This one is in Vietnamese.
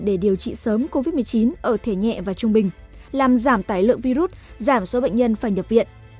để điều trị sớm covid một mươi chín ở thể nhẹ và trung bình làm giảm tải lượng virus giảm số bệnh nhân phải nhập viện